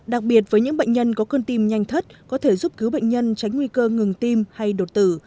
đặc biệt với những bệnh nhân có cơn tim nhanh thất có thể giúp cứu bệnh nhân tránh nguy cơ ngừng tim hay đột tử